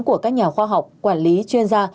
của các nhà khoa học quản lý chuyên gia